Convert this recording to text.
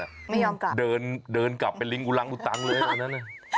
ไม่ยอมกลับเดินเดินกลับเป็นลิงอุรังอุตังเลยตอนนั้น